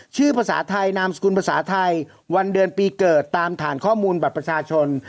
ภาษาไทยนามสกุลภาษาไทยวันเดือนปีเกิดตามฐานข้อมูลบัตรประชาชน